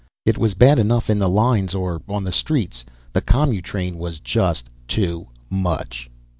It was bad enough in the lines, or on the streets. The commutrain was just too much.